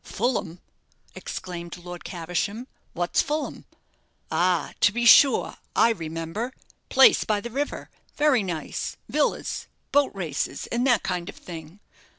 "Fulham!" exclaimed Lord Caversham; "what's Fulham? Ah, to be sure, I remember place by the river very nice villas boat races, and that kind of thing.